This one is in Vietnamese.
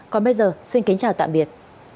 còn bây giờ xin kính chào tạm biệt